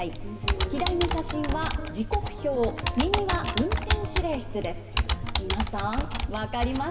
左の写真は時刻表、右は運転指令室です。